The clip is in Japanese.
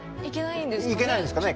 行けないんですかね。